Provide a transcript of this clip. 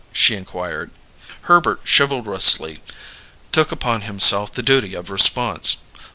she inquired. Herbert chivalrously took upon himself the duty of response.